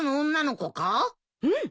うん！